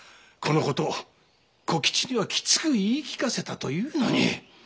このことを小吉にはきつく言い聞かせたというのに。